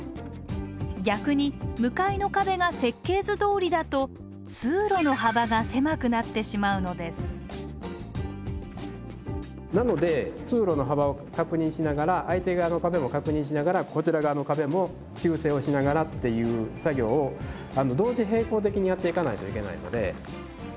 逆に向かいの壁が設計図どおりだと通路の幅が狭くなってしまうのですなので通路の幅を確認しながら相手側の壁も確認しながらこちら側の壁も修正をしながらっていう作業を同時並行的にやっていかないといけないので。